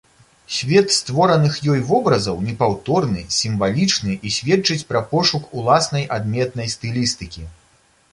Свет створаных ёй вобразаў непаўторны, сімвалічны і сведчыць пра пошук уласнай адметнай стылістыкі.